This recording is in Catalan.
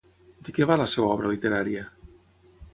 De què va la seva obra literària?